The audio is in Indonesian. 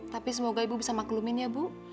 tapi semoga ibu bisa makluminnya bu